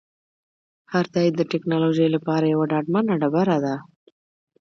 هر تایید د ټکنالوژۍ لپاره یوه ډاډمنه ډبره ده.